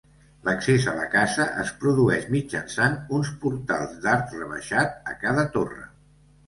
L'accés a la casa es produeix mitjançant uns portals d'arc rebaixat a cada torre.